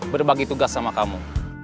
berbagi tugas sama kamu